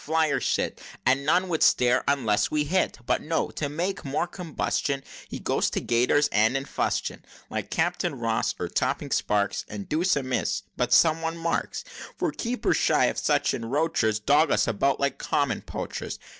fly or sit, And none would stare, unless we hit. But no to make the more combustion, He goes in gaiters and in fustian, Like Captain Ross, or Topping Sparks, And deuce a miss but some one marks! For Keepers, shy of such encroachers, Dog us about like common poachers!